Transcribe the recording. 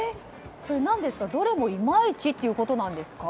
それ、何でですかどれもいまいちということなんですか？